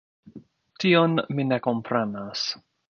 Tion mi ne komprenas.